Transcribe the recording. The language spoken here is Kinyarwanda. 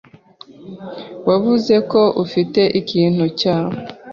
Wavuze ko ufite ikintu cya